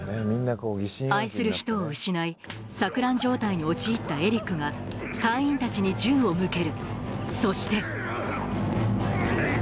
愛する人を失い錯乱状態に陥ったエリックが隊員たちに銃を向けるそしてえい！